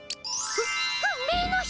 う運命の人！